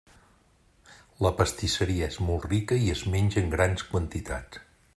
La pastisseria és molt rica i es menja en grans quantitats.